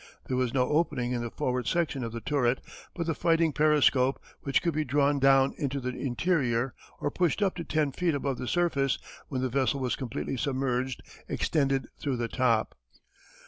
There was no opening in the forward section of the turret, but the fighting periscope, which could be drawn down into the interior or pushed up to ten feet above the surface when the vessel was completely submerged, extended through the top.